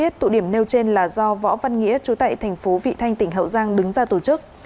tụ điểm nêu trên là do võ văn nghĩa chú tại thành phố vị thanh tỉnh hậu giang đứng ra tổ chức